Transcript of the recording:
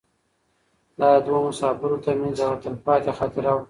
دا د دوو مسافرو تر منځ یوه تلپاتې خاطره وه.